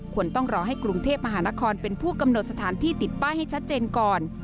ต้องรอให้กรุงเทพมหานครเป็นผู้กำหนดสถานที่ติดป้ายให้ชัดเจนก่อน